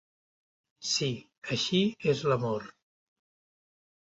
Sí, així és l'amor.